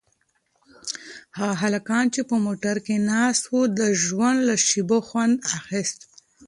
هغه هلکان چې په موټر کې ناست وو د ژوند له شېبو خوند اخیست.